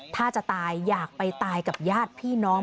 ถ้าจะตายอยากไปตายกับญาติพี่น้อง